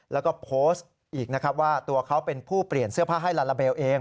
แล้วก็โพสต์อีกนะครับว่าตัวเขาเป็นผู้เปลี่ยนเสื้อผ้าให้ลาลาเบลเอง